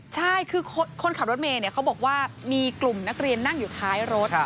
ใช่คือคนขับรถเมย์เขาบอกว่ามีกลุ่มนักเรียนนั่งอยู่ท้ายรถ